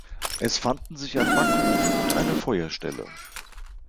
Es fanden sich ein Backofen und eine Feuerstelle.